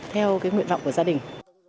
theo cái nguyện vọng của gia đình